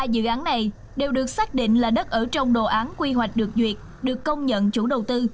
ba mươi dự án này đều được xác định là đất ở trong đồ án quy hoạch được duyệt được công nhận chủ đầu tư